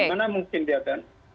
gimana mungkin dia akan